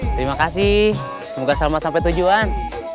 terima kasih semoga selamat sampai tujuan